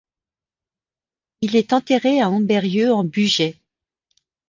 Il est enterré à Ambérieu-en-Bugey.